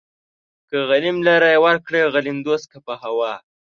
که غليم لره يې ورکړې غليم دوست کا په هوا